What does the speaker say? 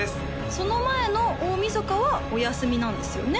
その前の大晦日はお休みなんですよね？